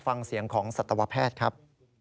ฟังเสียงของสัตวแพทย์ครับ